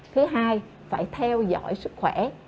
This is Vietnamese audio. thứ hai phải theo dõi sức khỏe